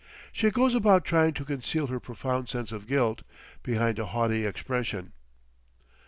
She goes about trying to conceal her profound sense of guilt behind a haughty expression....